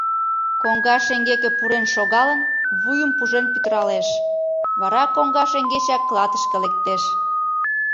Коҥга шеҥгеке пурен шогалын, вуйым пужен пӱтыралеш, вара коҥга шеҥгечак клатышке лектеш.